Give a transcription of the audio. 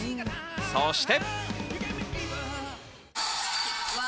そして。